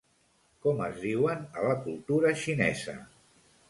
Com es diuen a la cultura xinesa?